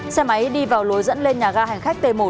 xe máy đi vào lối dẫn lên nhà ga hành khách t một